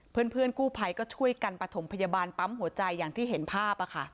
เพื่อนกู้ภัยก็ช่วยกันประถมพยาบาลปั๊มหัวใจอย่างที่เห็นภาพ